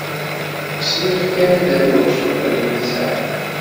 Sriɣ kan ad rnuɣ cwiṭ n litteɛ.